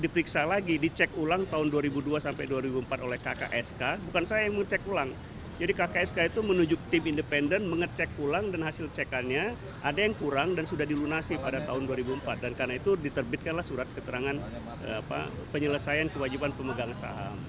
pada tahun dua ribu empat dan karena itu diterbitkanlah surat keterangan penyelesaian kewajiban pemegang saham